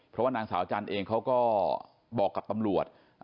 เพราะว่านางสาวจันทร์เองเขาก็บอกกับตำรวจ